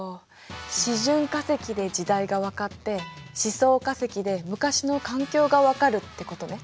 示準化石で時代がわかって示相化石で昔の環境がわかるってことね。